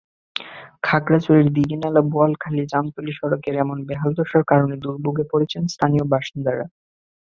খাগড়াছড়ির দীঘিনালা বোয়ালখালী-জামতলী সড়কের এমন বেহাল দশার কারণে দুর্ভোগে পড়েছেন স্থানীয় বাসিন্দারা।